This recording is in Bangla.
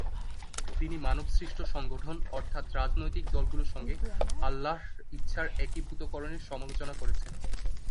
তিনি মানবসৃষ্ট সংগঠন অর্থাৎ রাজনৈতিক দলগুলোর সঙ্গে আল্লাহর ইচ্ছার একীভূতকরণের সমালোচনা করেছেন।